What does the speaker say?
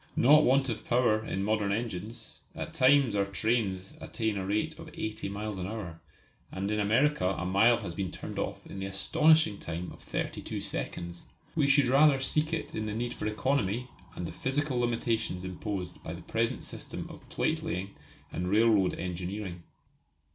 Not want of power in modern engines; at times our trains attain a rate of 80 miles an hour, and in America a mile has been turned off in the astonishing time of thirty two seconds. We should rather seek it in the need for economy and in the physical limitations imposed by the present system of plate laying and railroad engineering.